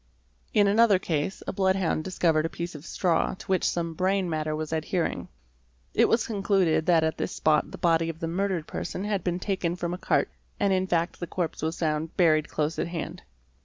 In another case a bloodhound discovered a piece of straw to which some brain matter was adhering. It was concluded that at this spot the body of the murdered person had been taken from a cart, and in fact the corpse was found buried close at hand.